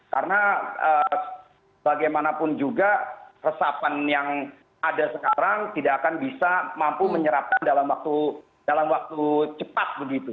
karena bagaimanapun juga resapan yang ada sekarang tidak akan bisa mampu menyerapkan dalam waktu cepat begitu